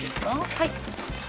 はい。